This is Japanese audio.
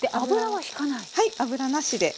はい油なしで。